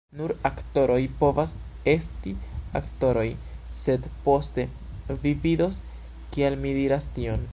"Nur aktoroj povas esti aktoroj." sed poste, vi vidos kial mi diras tion.